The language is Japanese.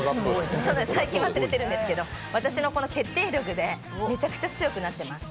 最近、忘れてるんですけど私の決定力でめちゃくちゃ強くなっています。